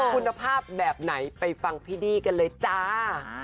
คุณภาพแบบไหนไปฟังพี่ดี้กันเลยจ้า